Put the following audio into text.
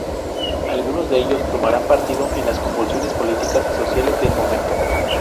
Algunos de ellos tomarán partido en las convulsiones políticas y sociales del momento.